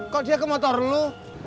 kok dia ke motor lo